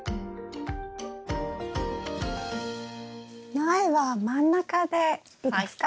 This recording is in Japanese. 苗は真ん中でいいですか？